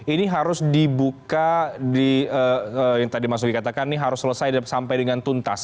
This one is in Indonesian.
ini harus dibuka di yang tadi mas uki katakan ini harus selesai sampai dengan tuntas